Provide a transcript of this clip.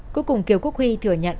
cuối cùng kiểu quốc huy thừa nhận